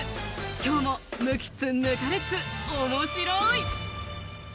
今日も抜きつ抜かれつ面白い。